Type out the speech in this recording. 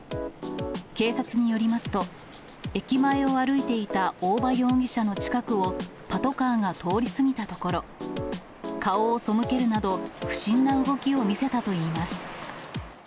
警察によりますと、駅前を歩いていた大場容疑者の近くを、パトカーが通り過ぎたところ、顔を背けるなど、不審な動きを見せたといいます。